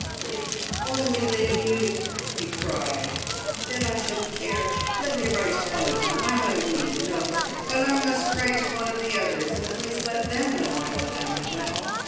"If only they knew!" he cried; "then I shouldn't care. Let me write to one of them! My mother needn't know; but I must write to one of the others, and at least let them know I am alive and well.